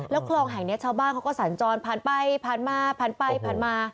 คลองแห่งนี้ชาวบ้านเขาก็สัญจรผ่านไปผ่านมาผ่านไปผ่านมา